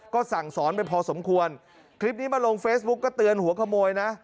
ก็สั่งสอนไปพอสมควรคลิปนี้มาลงเฟซบุ๊กก็เตือนหัวขโมยนะ